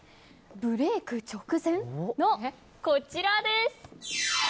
ブレーク直前の、こちらです。